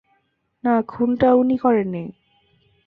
না, খুনটা উনি করেননি।